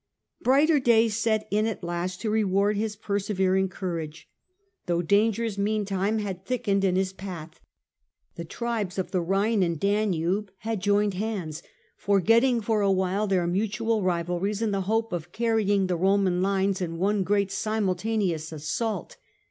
Brighter days set in at last to reward his persevering courage, though dangers meantime had thickened in his path. The tribes of the Rhine and Danube had joined hands, forgetting for a while their mutual rivalries in the hope of carrying the Roman lines in one great simulta neous assault.